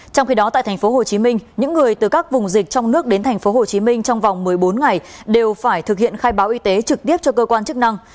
trong khi đó tại thành phố hồ chí minh những người từ các vùng dịch trong nước đến thành phố hồ chí minh trong vòng một mươi bốn ngày đều phải thực hiện khai báo y tế trực tiếp cho cơ quan chức năng